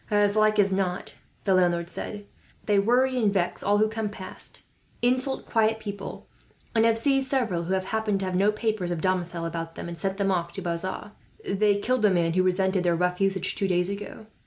"As like as not," the landlord said. "They worry and vex all who come past, insult quiet people; and have seized several, who have happened to have no papers of domicile about them, and sent them off to Bazas. They killed a man who resented their rough usage, two days ago.